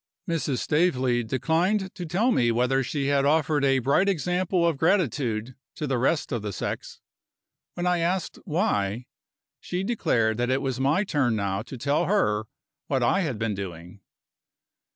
Mrs. Staveley declined to tell me whether she had offered a bright example of gratitude to the rest of the sex. When I asked why, she declared that it was my turn now to tell her what I had been doing.